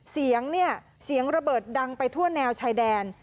เสียงระเบิดดังไปทั่วแนวชายแดน